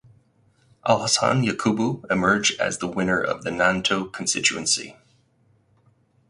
Alhassan Yakubu emerge as the winner of the Nanto Constituency.